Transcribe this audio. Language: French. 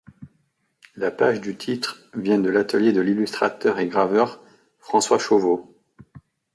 La page de titre vient de l’atelier de l’illustrateur et graveur François Chauveau.